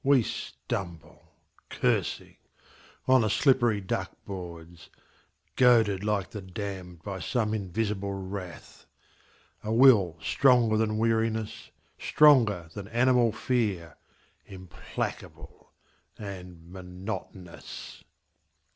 We stumble, cursing, on the slippery duck boards. Goaded like the damned by some invisible wrath, A will stronger than weariness, stronger than animal fear, Implacable and monotonous.